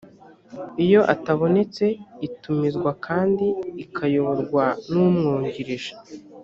iyo atabonetse itumizwa kandi ikayoborwa n’umwungirije